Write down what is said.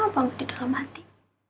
bangun di dalam hati